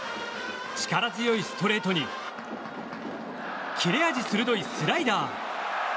力強いストレートに切れ味鋭いスライダー。